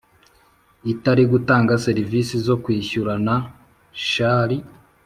Itari gutanga serivisi zo kwishyurana shall